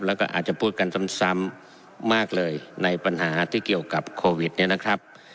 แล้วก็อาจจะพูดกันซ้ำมากเลยในปัญหาที่เกี่ยวกับโควิดเนี่ยนะครับ